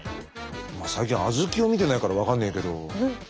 最近あずきを見てないから分かんねえけど。